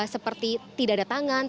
seperti tidak ada tangan